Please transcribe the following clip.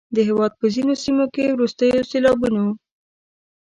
د هیواد په ځینو سیمو کې وروستیو سیلابونو